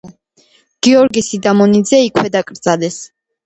გიორგი სიდამონიძე იქვე დაკრძალეს.